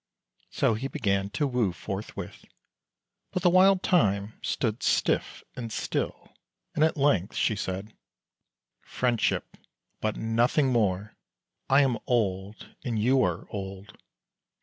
So he began to woo forthwith. But the Wild Thyme stood stiff and still, and at length she said, "Friendship, but nothing more! I am old, and you are old.